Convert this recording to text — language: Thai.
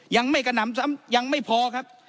ยังไม่กระหน่ำซ้ำยังไม่พอครับ